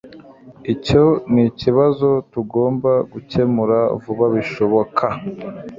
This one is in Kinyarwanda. Icyo nikibazo tugomba gukemura vuba bishoboka